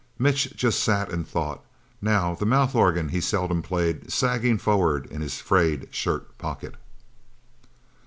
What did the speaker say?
Mitch just sat and thought, now, the mouth organ he seldom played sagging forward in his frayed shirt pocket.